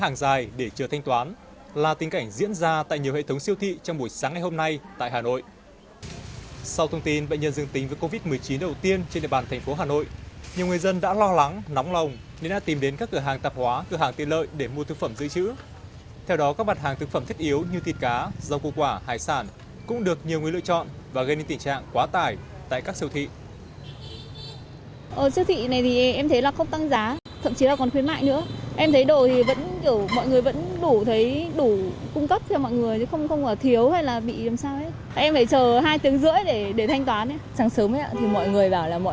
nhiều người lựa chọn và gây nên tình trạng quá tải tại các siêu thị